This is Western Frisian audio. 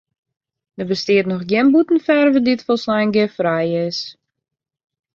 Der bestiet noch gjin bûtenferve dy't folslein giffrij is.